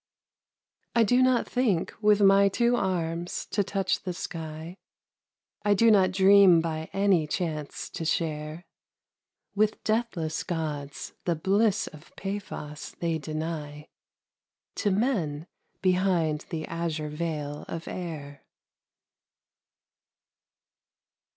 I do not think with my two arms to touch the sky, I do not dream by any chance to share With deathless Gods the bliss of Paphos they deny To men behind the azure veil of air.